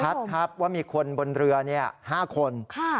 ชัดครับว่ามีคนบนเรือ๕คน